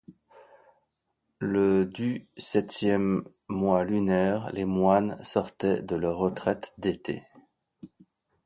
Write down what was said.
Le du septième mois lunaire, les moines sortaient de leur retraite d'été.